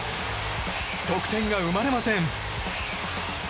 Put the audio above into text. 得点が生まれません。